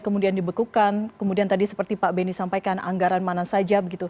kemudian dibekukan kemudian tadi seperti pak beni sampaikan anggaran mana saja begitu